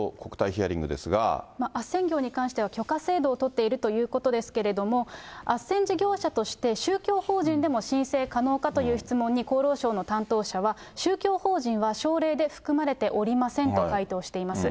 ヒアあっせん業に関しては許可制度を取っているということですけれども、あっせん事業者として宗教法人でも申請可能かという質問に、厚労省の担当者は、宗教法人は省令で含まれておりませんと回答しています。